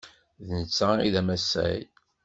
D netta ay d amasay.